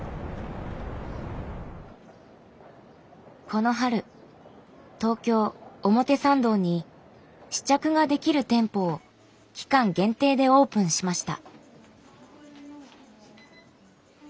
この春東京・表参道に試着ができる店舗を期間限定でオープンしました。